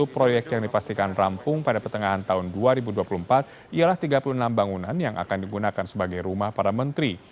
tujuh proyek yang dipastikan rampung pada pertengahan tahun dua ribu dua puluh empat ialah tiga puluh enam bangunan yang akan digunakan sebagai rumah para menteri